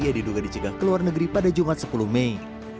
ia diduga dicegah ke luar negeri pada jumat sepuluh mei